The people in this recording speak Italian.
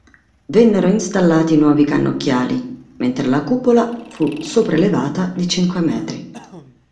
Vennero installati nuovi cannocchiali, mentre la cupola fu sopraelevata di cinque metri.